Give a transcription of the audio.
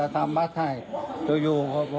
แต่ต้องล